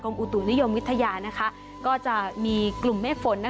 อุตุนิยมวิทยาก็จะมีกลุ่มเมฆฝน